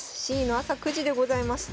Ｃの朝９時でございます。